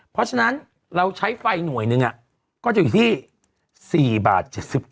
เพราะฉะนั้นเราใช้ไฟหน่วยหนึ่งก็จะอยู่ที่๔บาท๗๙